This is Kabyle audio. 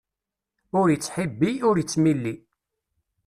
Ur ittḥibbi, ur ittmilli.